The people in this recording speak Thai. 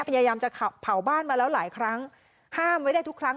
พยายามจะเผาบ้านมาแล้วหลายครั้งห้ามไว้ได้ทุกครั้ง